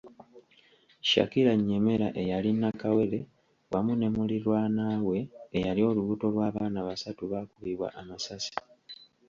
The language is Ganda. Shakira Nyemera, eyali Nnakawere wamu ne mulirwana we eyali olubuto lw’abaana basatu baakubibwa amasasi.